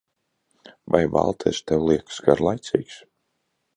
Vai Valters tev liekas garlaicīgs?